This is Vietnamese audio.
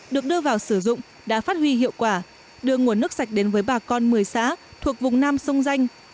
được đưa vào sử dụng đã phát huy hiệu quả đưa nguồn nước sạch đến với bà con một mươi xã thuộc vùng nam sông danh